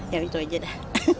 ya itu aja dah